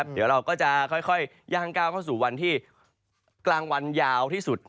เดี๋ยวเราก็จะค่อยย่างก้าวเข้าสู่วันที่กลางวันยาวที่สุด